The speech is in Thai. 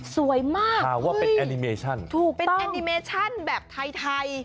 สวยมากคาวว่าเป็นแอนิเมชั่นแอนิเมชั่นแบบไทย